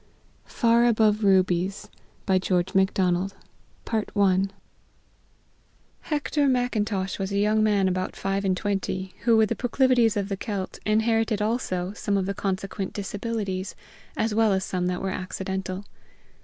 FAR ABOVE RUBIES BY GEORGE MACDONALD Hector Macintosh was a young man about five and twenty, who, with the proclivities of the Celt, inherited also some of the consequent disabilities, as well as some that were accidental.